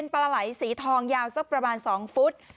ปลาไหล่สีทองยาวสักประมาณ๒ฟุต